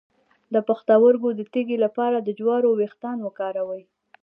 د پښتورګو د تیږې لپاره د جوارو ویښتان وکاروئ